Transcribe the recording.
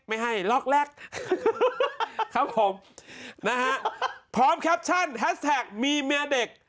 ไม่ให้ล็อคแลกครับผมนะฮะพร้อมแคปชั่นแฮสแตะค